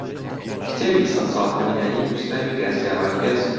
کتێبی سەد ساڵ تەنیایی نووسراوی گارسیا مارکێز